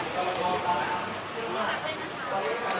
ก็อยากได้เลย